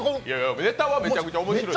ネタはめちゃめちゃ面白いよ。